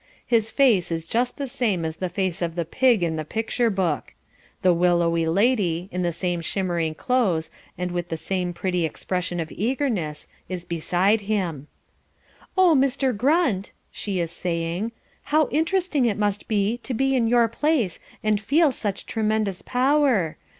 His face is just the same as the face of the pig in the picture book. The willowy lady, in the same shimmering clothes and with the same pretty expression of eagerness, is beside him. "Oh, Mr. Grunt," she is saying, "how interesting it must be to be in your place and feel such tremendous power.